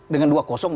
dengan dua kosong